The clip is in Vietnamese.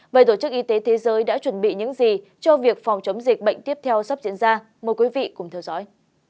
vậy tổ chức y tế thế giới đã chuẩn bị những gì cho việc phòng chống dịch bệnh tiếp theo sắp diễn ra mời quý vị cùng theo dõi